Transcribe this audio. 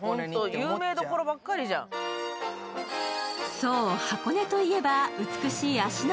そう、箱根といえば美しい芦ノ